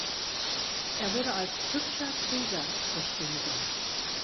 Er wurde als „hübscher Krieger“ beschrieben.